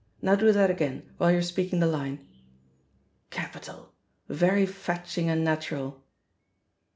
Now do that again, while you're speaking the line. ... Capital! very fetching and natural."